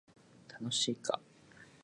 楽しいか